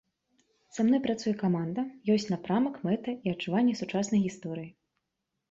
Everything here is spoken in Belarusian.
Са мной працуе каманда, ёсць напрамак, мэта і адчуванне сучаснай гісторыі.